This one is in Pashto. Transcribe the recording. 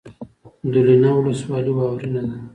دولینه ولسوالۍ واورین ده؟